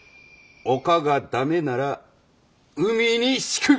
陸が駄目なら海に敷く！